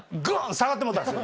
下がってもうたんですよ